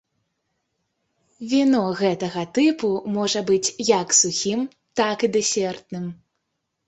Віно гэтага тыпу можа быць як сухім, так і дэсертным.